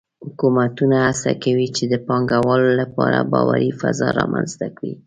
حکومتونه هڅه کوي چې د پانګهوالو لپاره باوري فضا رامنځته کړي.